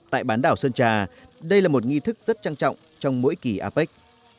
tại bán đảo sơn trà đây là một nghi thức rất trang trọng trong mỗi kỳ apec